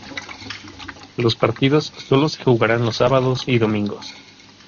Los partidos solo se jugarán los sábados y domingos.